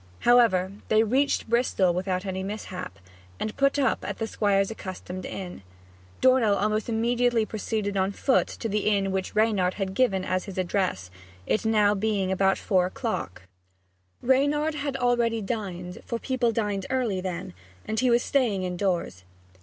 However, they reached Bristol without any mishap, and put up at the Squire's accustomed inn. Dornell almost immediately proceeded on foot to the inn which Reynard had given as his address, it being now about four o'clock. Reynard had already dined for people dined early then and he was staying indoors.